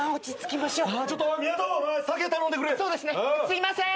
すいません。